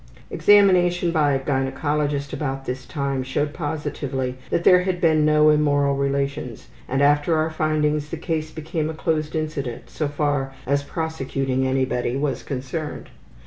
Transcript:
'' Examination by a gynecologist about this time showed positively that there had been no immoral relations, and after our findings the case became a closed incident so far as prosecuting anybody was concerned.